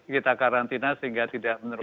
kita karantina sehingga tidak menurut